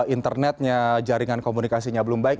internetnya jaringan komunikasinya belum baik